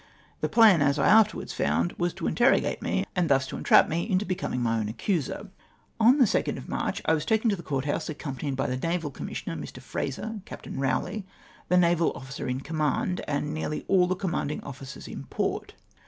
The plan, as I afterwards found, was to interrogate me, and thus to entrap me into becoming my own accuser. On the 2nd of March I was taken to the Court house, accompanied by the naval commissioner Mr. Eraser, 176 MY DEFEXCE. Captain Eowley the naval officer in command, and neai'ly all the commanding officers in port.